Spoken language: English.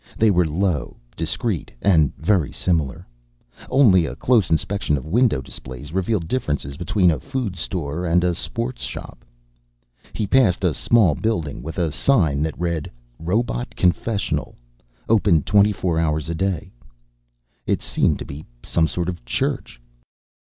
They were low, discreet, and very similar. Only a close inspection of window displays revealed differences between a food store and a sports shop. He passed a small building with a sign that read, ROBOT CONFESSIONAL Open 24 hours a day. It seemed to be some sort of church.